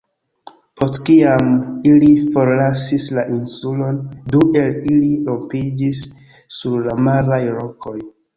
Post kiam ili forlasis la insulon, du el ili rompiĝis sur la maraj rokoj.